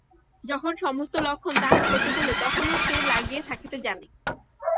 যখন সমস্ত লক্ষণ তাহার প্রতিকূলে তখনো সে লাগিয়া থাকিতে জানে।